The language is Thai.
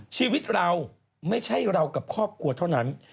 ชีวิตเราไม่ใช่เรากับครอบครัวเท่านั้น